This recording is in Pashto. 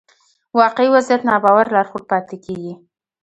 واقعي وضعيت ناباور لارښود پاتې کېږي.